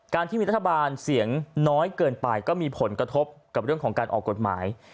ที่มีรัฐบาลเสียงน้อยเกินไปก็มีผลกระทบกับเรื่องของการออกกฎหมาย